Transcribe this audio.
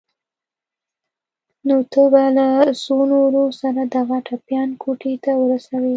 نو ته به له څو نورو سره دغه ټپيان کوټې ته ورسوې.